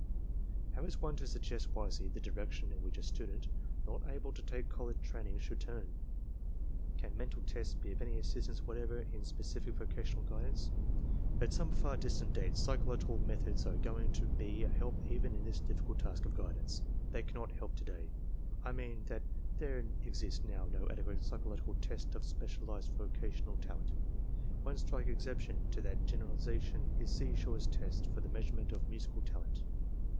How is one to suggest wisely the direction in which a student not able to take college training should turn? Can mental tests be of any assistance TESTS IN STUDENTS' ARMY TRAINING CORPS 177 whatever in specific vocational guidance? At some far distant date p^chological methods are going to be a help even in this difficult task of guidance. They cannot help to day. I mean that there exist now no adequate psychological tests of special ized vocational talent. One striking exception to that general ization is Seashore's tests for the measurement of musical talent.